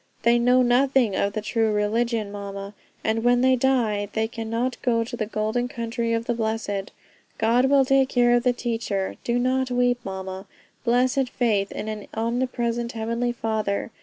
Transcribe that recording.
They know nothing of the true religion, mama; and when they die they cannot go to the golden country of the blessed. God will take care of the teacher; do not weep, mama." Blessed faith in an omnipresent Heavenly Father!